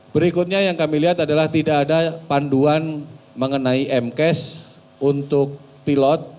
berikutnya yang kami lihat adalah tidak ada panduan mengenai mcas untuk pilot